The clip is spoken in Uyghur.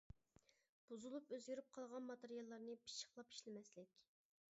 بۇزۇلۇپ، ئۆزگىرىپ قالغان ماتېرىياللارنى پىششىقلاپ ئىشلىمەسلىك.